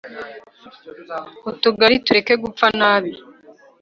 Utugari tureke gupfa nabi